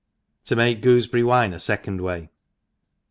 To make Cooseberry Wine a fecon^lVay.